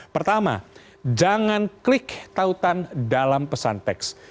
pertama jangan klik tautan dalam pesan teks